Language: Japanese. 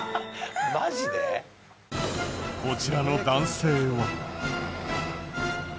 こちらの男性は。